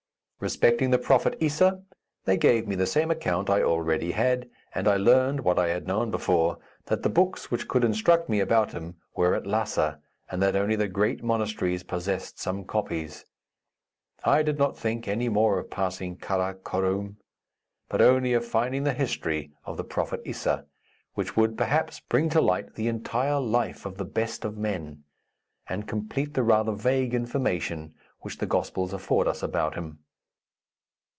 Respecting the prophet Issa, they gave me the same account I already had, and I learned, what I had known before, that the books which could instruct me about him were at Lhassa, and that only the great monasteries possessed some copies. I did not think any more of passing Kara koroum, but only of finding the history of the prophet Issa, which would, perhaps, bring to light the entire life of the best of men, and complete the rather vague information which the Gospels afford us about him.